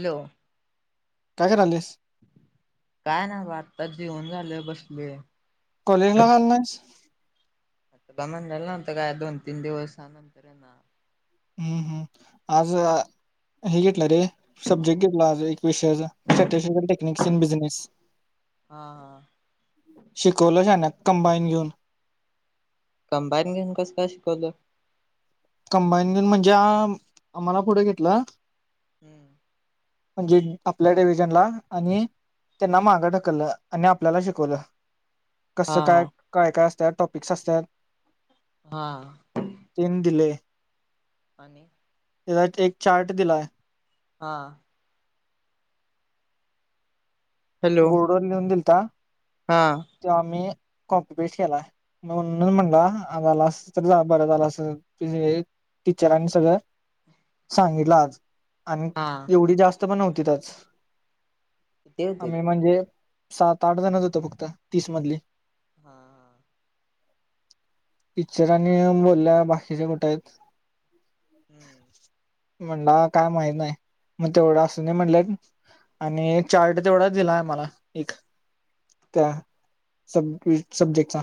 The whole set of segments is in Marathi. हॅलो! काय करालेस? काय नाय बा आतच जेवण झालं बसलोया. कॉलेजला आला नाहीस तुला म्हणटलेलं नव्हतं काय? दोन तीन दिवसानंतर येणार. हूम हम् आज हे घेतलं रे, सब्जेक्ट घेतला आज एक विषयाचा स्ट्रॅटेजि आणि टेक्निकस इन बिजनेस, हा हा शिकवल शहाण्या कंबाईन घेऊन. कंबाईन घेऊन कसं काय शिकवलं? कंबाईन घेवून म्हणज्या, आम्हाला पुढे घेतल हूम्म. म्हणजे आपल्या डेिव्हिजनला आणि त्यांना मागं ढकललं आणि आपल्याला शिकवलं. हा कसं काय? हा काय काय अस त. त्यात टॉपिकस असत्यात हा. आणि त्याचाच एक चार्ट दिलाय. हा. हॅलो बोर्डवर लिहून दिलता, हा त्यो आम्ही कॉपी पेस्ट केलाय, म्हणूनच म्हणला आज आला असतास तर बरं झालं आस, टीचरांनी सगळं सांगितलं आज. आणि हा एवढी जास्त पण नव्हतीत आज किती होते आम्ही म्हणजे सात, आठ जणच होतो फक्त तीस मधली हा हा. टीचराणी बोलल्या बाकीचे कुठे आहेत? हम्म [unintelligible] म्हणला काय माहत नाही, मग तेवढं असूदे म्हणले आणि एक चार्ट तेवढा दिला आहे मला एक त्या सब्जे सब्जेक्टचा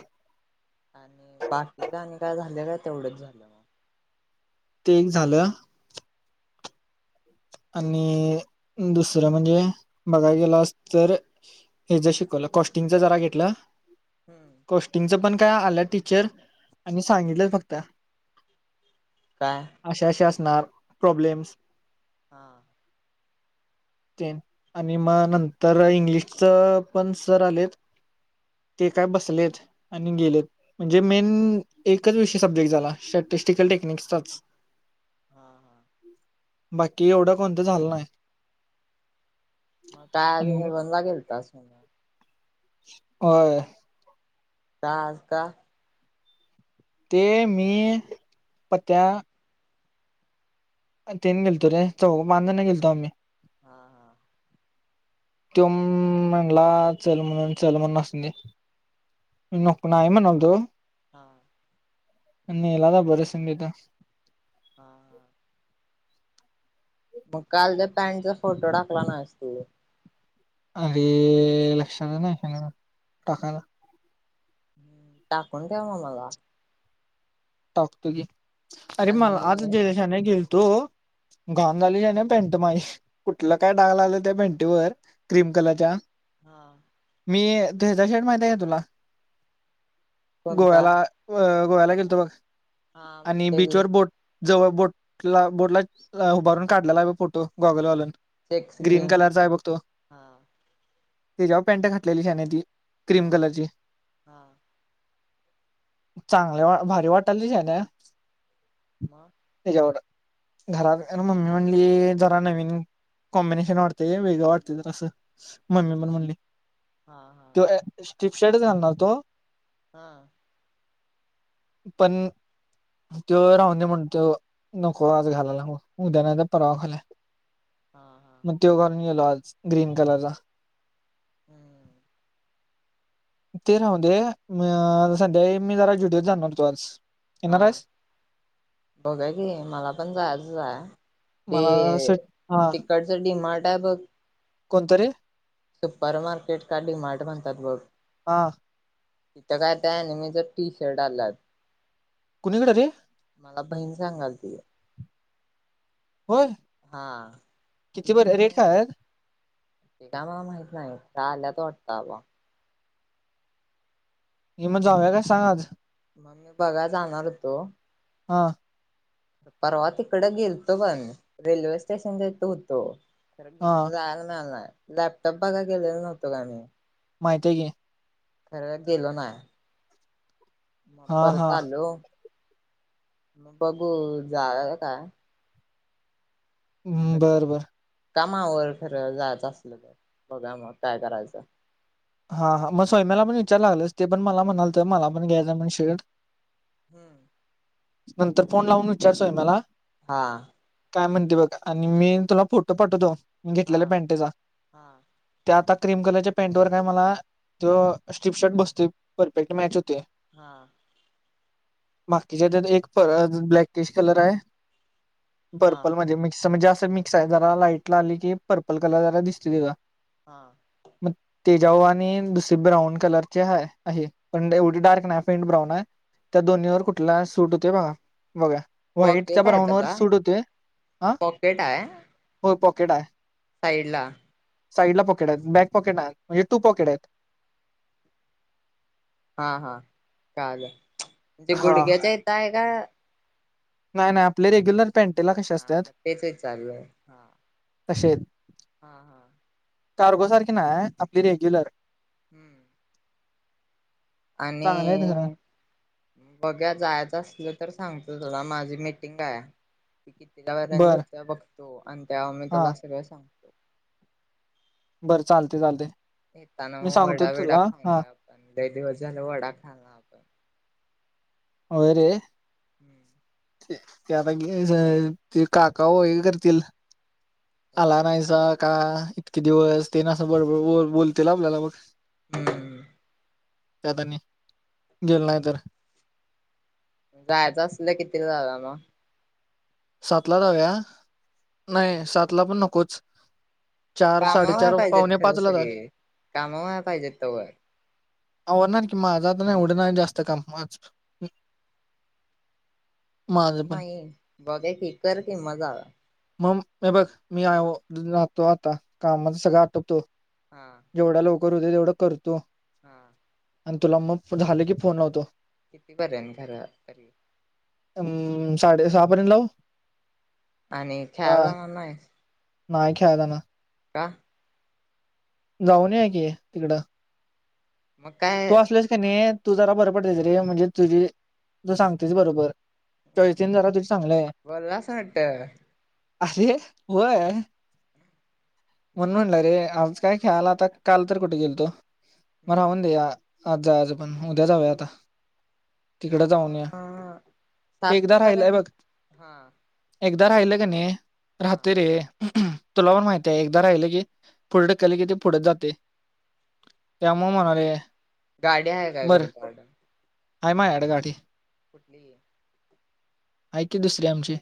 ते काय तेवढंच झालं मग ते एक झालं. आणि दुसरं म्हणजे बघाय गेलास, तर हेज शिकवलं कॉस्टिंगच जरा घेतलं. हम्म कॉस्टिंगच पण काय आल्या टीचर आणि सांगितलं फक्त काय अशा अशा [unintelligible] प्रॉब्लेमस हा. ते आणि मग नंतर इंग्लिशच पण सर आलेत ते काय बसलेत आणि गेलेत म्हणजे मेन एकच विषय सब्जेक्ट झाला स्टॅटिस्टिकल टेक्निकसचाच हा हा हम् बाकी कि एवढं कोणतं झालं नाही. मग काय आधी आणि हे बनवा गेलतास? [inaudible] होय. का आज का? ते मी पत्या तेन गेलतो रे चौघ पांज जण गेलतो आम्ही हा हा. तुमन ला चलमुन चलमन अस असते. नको नाही म्हणालतो हा हा आणि नेला बर संगीता हा हा. मग काल त्या पॅन्टचा फोटो टाकला नाहीस तू अरे लक्षातच नाही टाकायला. हम् टाकून ठेव म मला टाकतो की अरे मला आज आणि जय देशा आणाय गेलतो. तो घालून आलोय आणि पॅन्ट माझी कुठलं काय डाग लागलंय त्या पँटेवर क्रीम कलरच्या हा. मी त्यो हेचा शर्ट माहिती आहे का तुला. कोणता गोव्याला अ गोव्याला गेलतो बघ हा माहित आणि हाय की. बीचवर बोट जवळ बोटला बोटला उभारून काढलेला हाय ब फोटो गॉगल घालून ग्रीन कलरचा आहे बघ तो. हा तेज्यावर पँट घातलेली शान्या ती. क्रीम मग कलरची हा. चांगल्या भारी वाट कल्ली जाणे [unintelligible] मग त्येच्यावर घरात मम्मी म्हटली जरा नवीन कॉम्बिनेशन वाटतंय वेगळं वाटतय जरासं मम्मी पण म्हणली. हा हा तो शर्टच घालणार होतो. हा. पण तो राहणूनदे म्हणतो नको आज घालायला म उद्या नाय तर परवा घालूया. हा हा म त्यो घालून गेलो आज. ग्रीन कलरचा. हम्म. ते राहू दे अ संध्याकाळी मी जरा जुडओ जाणार फ्रान्स [unintelligible] हा बघुया की मला पण जायचं हाय मला ते सेट तिकडच डीमार्ट मुबक [unintelligible] कोणतरीे सुपर मार्केट का डिमार्ट म्हणतात बघ. हा. तिथं काय त्या अनीमीच टी शर्ट आलात. कुणीकडे रे मला बहीण सांगालती. होय हा किती म बरे रेट मी काय आहेत काय मला माहित नाही त्या आल्यात तोटावा [unintelligible] हे जाऊया मग काय सांग आज मग मी बघा जाणार होतो हां. परवा तिकडं गेलतो पण रेल्वे स्टेशन च्या हित होतो. खर की हा जायला मिळायला नाही. लॅपटॉप बघायला गेलेला नव्हतो काय मी. माहिती आहे की. खरं गेलो नाय. मग हा हा परत आलो माग बघू जा का हम् बर बर कामावर खरं जायचं असल तर बघा मग काय करायचं हा हा मग सवैम्याला पण विचारयला लागल ते पण मला म्हणालत मला पण घ्यायचं म्हण शेर्ड हम्म नंतर फोन लावून विचारचोय मला हा काय म्हणते बघा आणि मी तुला फोटो पाठवतो हा घेतलेल्या पॅनटेचा हा त्या आता क्रीम कलरच्या पॅंटवर काय मला त स्ट्रीप शर्ट बसत परफेक्ट मॅच होते हा बाकीच्या त्यात एक ब्लॅक टिश कलर आहे पर्पल हा म्हणजे मिक्स जास्त मिक्स आहे जरा लाईट ला आली की, पर्पल कलर जरा दिसतोय तेजा. हा. तेजा वर आणि दुसर ब्राऊन कलर हाय आहे, पण एवढी डार्क नाही पेंट ब्राऊन आहे, त्या दोन्ही वर कुठला सूट होतोय बघा- बघा. व्हाईट त्या पॉकेट आहे ब्राऊन वर त्याला सूट होतोय, ह पॉकेट हो पक केट हाय. साईडला साईड ला पॉकेट आहेत, बॅक पॉकेट आहेत, म्हणजे टू पॉकेट आहेत. हा हा कळालं. म्हणजे हा गुडघ्याच्या इथं आहे का? नाही नाही आपले रेग्युलर पॅन्टेला कसे हा असतात मग तेच एक चालु हाय. तसेच हा हा. कार्गो सारखी नाही आपली रेग्युलर हम. चांगले आहेत खरं आणि बघूया जायचं असलं तर सांगतो. [unintelligible] माझी मिटिंग आहे. कितीला [unintelligible] वर त्या बर अण बघतो. तोव आणि त्या हा उमेशला सगळं सांग [inaudible] बरं चालतयं चालतयं. येताना मग वडा विडा खाऊन येऊ आपण, लय दिवस झाले वडा खाल्ला आपण. होय रे. हम्म ते आता घेयचंय, ते काका ओळी करतील. आला नायसाक. का इतके दिवस ते ना असं बरोबर बोलतील आपल्याला बघ. हम्म त्यात आणि, गेलो नाय तर. जायचं असलं कितीला जाऊया मग? सातला जाऊया. नाय सातला पण नकोच. चार कामं व्हाय साडेचार पाहिजेत पावणे खरं पाचला जा सगळी, कामं व्हाय पाहिजेत तवर. हा होणार की, माझं आता नाही एवढं नाही जास्त काम माझं एवढं पण नाहीे. बघुया की, कर कि मग जाऊया. मम ए बघ मी आय औ हा ध्रुवनाथ तो आता कामाचा सगळं आटपतो एवढा लोक करू दे तेवढं करतो हम आणि तुला मग झालं की फोन लावतो किती बरं घरं तरी अम् साडे सहा पर्यंत लावू आणि का खेळाला जाणार नाय नाही खेळाय जाणार का? जाऊन या की तिकडं मग तू काय असलास का नाही तू जरा बरं पडतयसं रे म्हणजे तुझी तू सांगतोयस बरोबर तळीतेन जरा तिथं चांगलय बोललास वाटतं अरे होय म्हणून म्हणलं बरं रे आलो च काय खेळाला आता काल तर कुठे गेल तो मग हम्म राहुं दे या आज जायाचं पण उद्या जावया आता तिकडं जाऊन या मग ते सात एकदा राहिलयं पर्यंत बघ हा एकदा बोल राहिल का नाही हा राहते रे तुला पण माहितीय एकदा राहिलं की पुढे ढकलं की ते पुढच जाते त्यामुळं म्हणालोय गाडी्या आहे काय घरच वाड आहे मा याड गाठी कुठली आहे ऐक दुसरे आमचे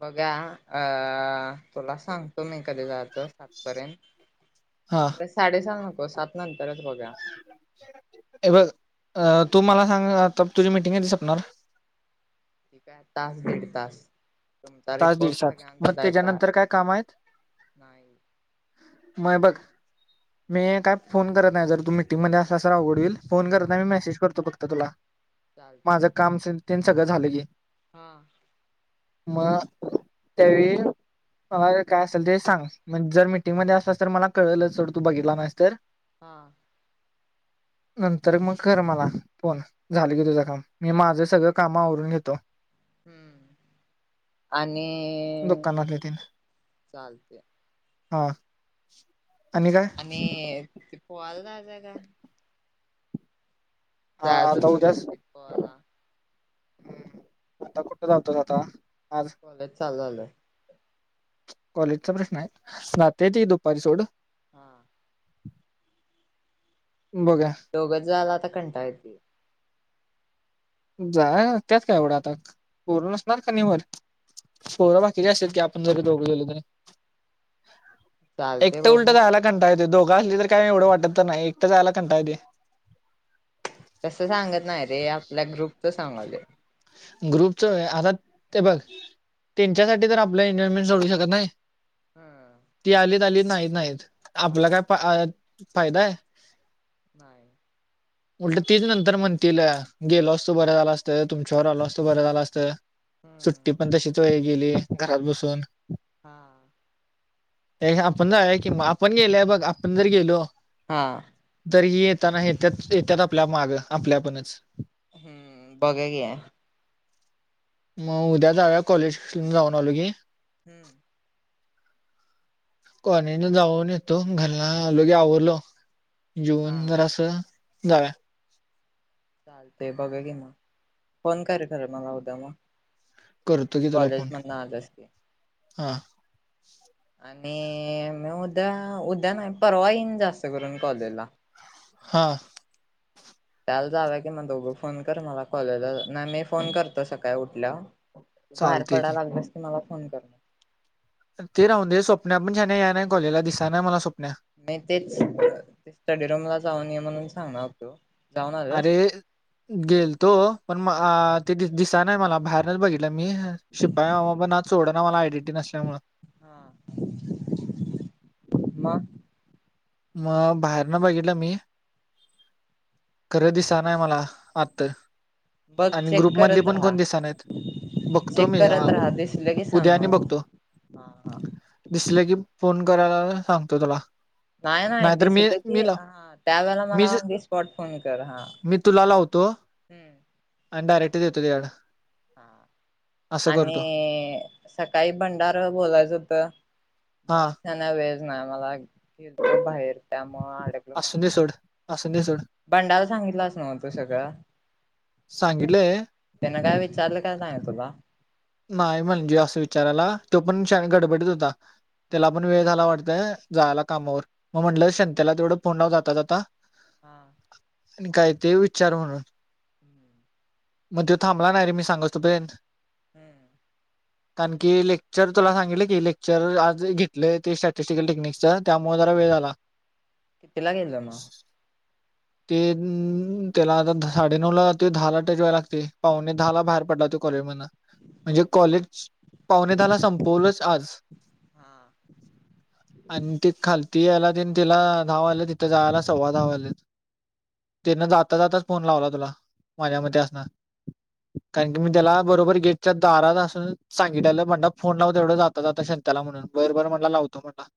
बघा अ तुला सांगतो म कधी जाचं सातपर्यंत साडेसहा न हो सात ना ए अ तू मला सांग आता तुझी मिीटिंग आहे तसपणार ठीक आहे तास दीड तास तुमचा तच रिपोर्ट दिवसात सगळ्यांचा मग द्यायचा आहे त्याच्यानंतर काय काम आहेत नाही मय बघ मी काय फोन करत नाही जर तू मिटिंगमध्ये असलासर आवड होईल फोन हा करता मी मेसेज करतो फक्त तर तुला चालते माझं काम असेल सगळं झालं की हा मग त्यावेळी मला काय असेल ते सांग म्हणजे जर मिीटिंगमध्येध्ये असला तर मला कळलं च तू बघितला नाहीस तर हा नंतर मग कर मला फोन झाल गे तुझं काम मी माझं सगळं कामवरून घेतो हम्म आणि दुकानातले तेन चालते हा आणि पल दज का हा जाज त शटकत पवाला हम्म आता कुठे जाततोच आता आज कॉलेज चालू झालंय कॉलेजचा प्रश्न आहे ना ते त दुपारी सोड हा बघा दोघच झाला आ घंटा यती जा त्यात काय एवढं आता पोरं नसणार क निमर पोरं बाकीचे असत की आपण जरी दोघं झाेल तरी एक चालते तर उलट बघू जायला कंटा येत दोघ असली तर काय एवढं वाटत तर नाही एकट जायला कंटाय ते तस सांगत नाही रे आपल्या ग्रुपच सांगालोय ग्रुपच आता ते बघ त्यांच्यासाठी तर आपलं एन्जॉयमेंट सोडू शकत नाही हम्म ती आलीत आलीत नाही नाहीत हा आपलं काय फाय फायदा हाय होय उलट तीच नंतर म्हणतील गेलो असतो बरं झाला असतं तुमच्याबरोबर आलो असतो बरं झालं असतं हम्म सुट्टी पण तशीच होय गेली असती घरात बसून हा ते हे आपण जाऊया कि मग आपण गेल्यावर बघ आपण जर गेलो हा तरी ही येताना येत्यात येत्यात आपल्या माग आपल्या आपणच हम्म बघा घ्या मग उद्या जावूया कॉलेजासनं जाऊन आलो की हम्म कॉलेजला जाऊन येतो घरला आलो की आवरल्यावर जाऊन हा जर असं जावूया चालतय बघाव घे मग फोन कर खरं मला उद्या मग करतो की त्याला कॉलेज फोन मधनं आलास की हा आणि मग उद्या उद्या नाही परवा ईन जास्त करून कॉलेजला हां चालेल जावूया की मग दोघं फोन कर मला कॉलेजला नाही मी फोन करतो सकाळी उठल्याव बाहेर चालतंय की पडायला लागले असते मला फोन करणार ते राहून दे स्वप्ना पण छान आहे या ना कॉलेजला दिसना मला स्वप्ना नाही तेच ते स्टडीरूमला आज जावून य म्हणून सांगणार होतो जाऊन आल्यास? अरे गेलतो पण म हा ती दि.. दिसाय नाही मला बाहेरनच बघित शिपाई मला सोड ना मला आय डी नसल्यामुळे हा म मग बाहेर न बघितलं मी खरं दिसना मला आत बघ आणि चेक ग्रुप मधली करत पण राहा. कोण दिसाय नाहित बघतो चेक मी करत राहा दिसलं की सांग उद्या मला. बघतो हा हा दिसलं की फोन करायलाला सांगतो तुला. नाही नाही, नाहीतर मी दिसलं की मी लाव हाऽ ऽत्यावेेळी मला मीच ऑन द स्पॉट फोन कर हाऽऽ मी तुला लावतो हम्. आणि डायरेक्ट देतो तेज्या कड.. हा. आणिऽऽऽसकाळी बंडारं बोलायचं होतं. हा मलाच द्याना वेळऽऽ नाय मला ऐकू ऐतय भायेर त्याऽ ऽ मऽऽ अडकलो कामात. सोडऽऽ बंडाला सांगितलास नव तू सगळं. सांगीडलयऽऽ नं काय विचारलं का नायऽ ऽ तुला. नाय म्हणजे असं विचारायला, तो पण शानां गडबडीत होता. त्याला हा पण वेळ झाला वाटऽ अंऽऽऽझाला कामावर. मग म्हटलं संत्याला तेवढं, तोंडाव जाता जाताऽऽ हाऽऽ आणि काय ते विचार म्हणून, [inaudible] म तो थांबला नाही रे मी सांगाच तोपर्यंत. हम्मऽऽ कारण की लेक्चर तुला सांगितलं की लेक्चर आज घीटलं ते स्टॅटिस्टिकल टेक्निकचं त्यामुळं जरा वेळ झाला. किती ला गेलं म ऽ तेऽऽ अंऽत्याला आता साडे नऊ ला ते दहा ला टच व्हायला लागतय, पावणे धा ला बाहेर पडलाय त्यो कॉलेज मधनं. मंजे कॉलेज, पावणे धा ला संपवलच आज, हा आणि ते खालती यायला. नं तिला धा वाजलं, तिथं जायला सव्वा धा वाजलंत त्यनं जाता जाताच फोन लावला तूला. माझ्या मते असणार. कारण की मी त्यला बरोबर गेटच्या दारात असुन सांगीतल्यालं बंडा फोन लाव तेवढा जाता जाता शंत्याला म्हणून. बर बरं म्हणला. लावतो म्हणला.